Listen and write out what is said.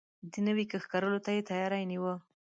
د نوی کښت کرلو ته يې تياری نيوه.